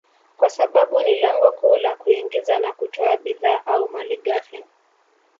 kwa sababu ni lango kuu la kuingiza na kutoa bidhaa au malighafi